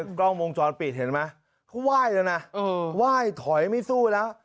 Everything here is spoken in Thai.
ในกล้องวงจรปิดเห็นไหมเขาไหว่ด๋านะหว่ายเม้งไม่สู้แล้ว